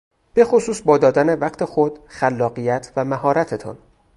به خصوص با دادن وقت خود، خلاقیت و مهارتتان.